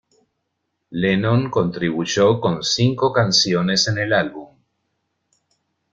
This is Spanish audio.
Lennon contribuyó con cinco canciones en el álbum.